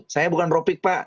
saya bukan ropik pak